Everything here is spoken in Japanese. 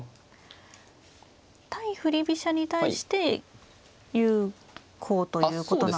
対振り飛車に対して有効ということなんですか。